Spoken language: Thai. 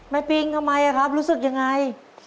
ไม่ปิ๊นทำไมครับรู้สึกอย่างไร